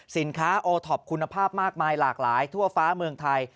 สินค้าโอท็อปคุณภาพมากมายหลากหลายทั่วฟ้าเมืองไทย